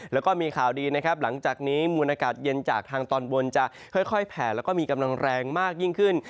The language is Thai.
แล้วก็มีข่าวดีนะครับหลังจากนี้มูลอากาศเย็นจากทางตอนบนจะค่อยแผ่แล้วก็มีกำลังแรงมากยิ่งขึ้น